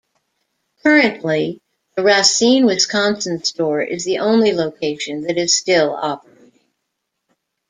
Currently, the Racine, Wisconsin store is the only location that is still operating.